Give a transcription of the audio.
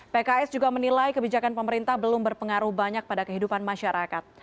pks juga menilai kebijakan pemerintah belum berpengaruh banyak pada kehidupan masyarakat